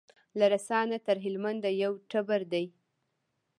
له رسا نه تر هلمند یو ټبر دی